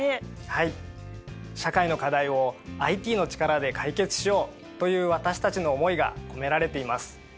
はい社会の課題をＩＴの力で解決しようという私たちの思いが込められています。